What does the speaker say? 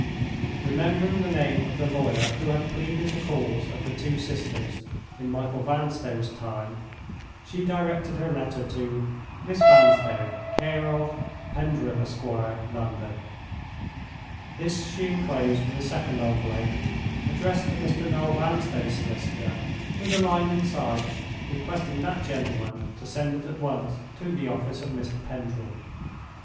Remembering the name of the lawyer who had pleaded the cause of the two sisters in Michael Vanstone's time, she directed her letter to "Miss Vanstone, care of——Pendril, Esquire, London." This she inclosed in a second envelope, addressed to Mr. Noel Vanstone's solicitor, with a line inside, requesting that gentleman to send it at once to the office of Mr. Pendril.